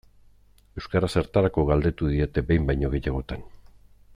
Euskara zertarako galdetu didate behin baino gehiagotan.